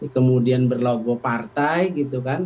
kemudian berlogo partai gitu kan